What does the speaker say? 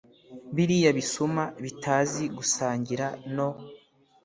biriya bisuma bitazi gusangira no